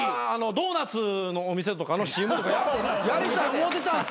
ドーナツのお店とかのＣＭとかやりたい思ってたんすよ。